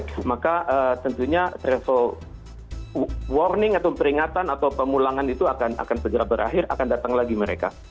kalau tidak membaik maka tentunya warning atau peringatan atau pemulangan itu akan segera berakhir akan datang lagi mereka